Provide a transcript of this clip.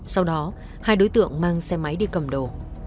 sau đó hai đối tượng mang xe máy đi cầm đồ